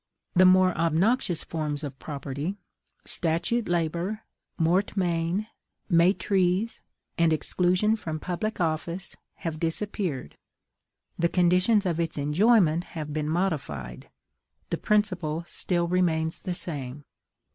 The more obnoxious forms of property statute labor, mortmain, maitrise, and exclusion from public office have disappeared; the conditions of its enjoyment have been modified: the principle still remains the same.